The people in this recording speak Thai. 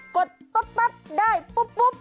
กดปั๊บได้ปุ๊บ